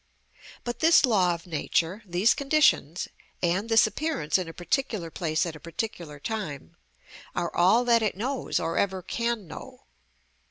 But this law of nature, these conditions, and this appearance in a particular place at a particular time, are all that it knows or ever can know.